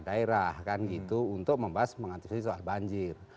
daerah kan gitu untuk membahas mengantisipasi soal banjir